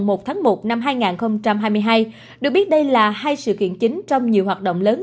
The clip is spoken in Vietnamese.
một tháng một năm hai nghìn hai mươi hai được biết đây là hai sự kiện chính trong nhiều hoạt động lớn